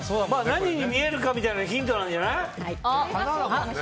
何に見えるのかがヒントなんじゃない？